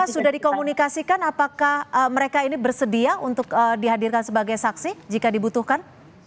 apakah sudah dikomunikasikan apakah mereka ini bersedia untuk dihadirkan sebagai saksi jika dibutuhkan